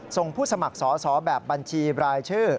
ผู้สมัครสอสอแบบบัญชีรายชื่อ